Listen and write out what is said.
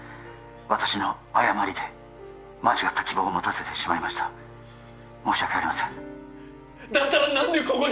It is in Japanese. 私の誤りで間違った希望を持たせてしまいました申し訳ありませんだったら何でここに！？